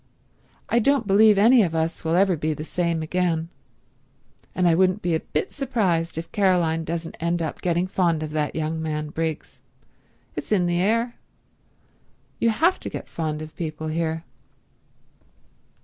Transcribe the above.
I don't believe any of us will ever be the same again—and I wouldn't be a bit surprised if Caroline doesn't end by getting fond of the young man Briggs. It's in the air. You have to get fond of people here."